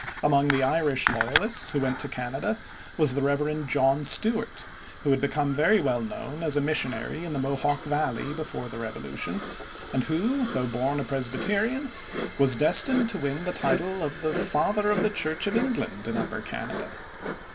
Among the Irish loyalists who went to Canada was the Rev. John Stuart, who had become very well known as a missionary in the Mohawk Valley before the Revolution, and who, though born a Presbyterian, was destined to win the title of the "Father of the Church of England in Upper Canada."